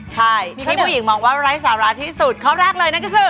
ใช่ที่ผู้หญิงมองว่าไร้สาระที่สุดข้อแรกเลยนั่นก็คือ